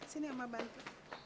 sini sama bantu